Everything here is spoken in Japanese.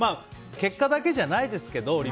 結果だけじゃないですけどね